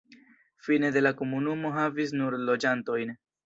Fine de la komunumo havis nur loĝantojn.